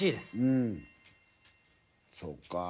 うんそっか。